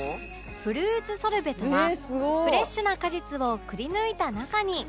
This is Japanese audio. フルーツソルベとはフレッシュな果実をくりぬいた中に